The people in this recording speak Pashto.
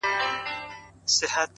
ستا خالونه مي ياديږي ورځ تېرېږي’